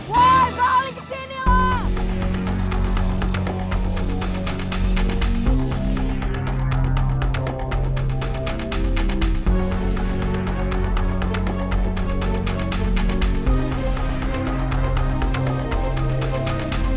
woi balik ke sini loh